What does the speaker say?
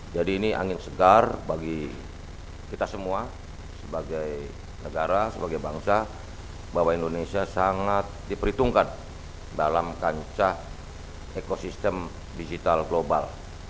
jadi ini angin segar bagi kita semua sebagai negara sebagai bangsa bahwa indonesia sangat diperhitungkan dalam kancah ekosistem digital global